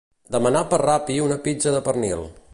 Demanar per Rappi una pizza de pernil.